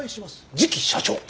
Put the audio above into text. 次期社長。